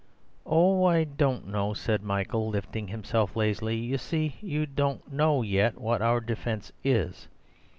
"Oh, I don't know," said Michael, lifting himself lazily; "you see, you don't know yet what our defence is.